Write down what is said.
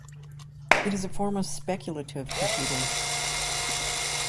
It is a form of speculative computing.